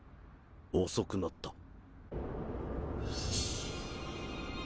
遅くなった。